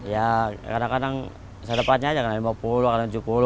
ya kadang kadang saya dapatnya aja kadang lima puluh kadang tujuh puluh